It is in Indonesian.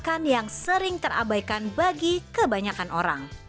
bukan yang sering terabaikan bagi kebanyakan orang